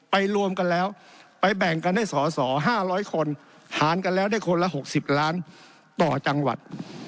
รวมกันแล้วไปแบ่งกันให้สอสอ๕๐๐คนหารกันแล้วได้คนละ๖๐ล้านต่อจังหวัด